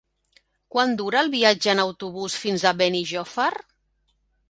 Quant dura el viatge en autobús fins a Benijòfar?